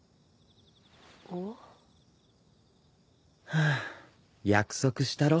ハァ約束したろ。